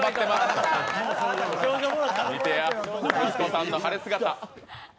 見てや、息子さんの晴れ姿。